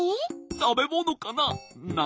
たべものかな？